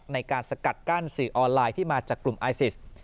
ในการสกัดกั้นสื่อออนไลน์ที่มาจากกลุ่มไอซิส